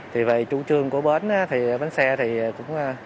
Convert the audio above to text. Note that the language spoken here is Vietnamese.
thì về chủ trương của bến thì bến xe thì cũng